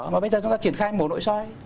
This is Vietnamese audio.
mà bây giờ chúng ta triển khai mổ nội soi